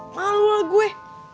malu lah gue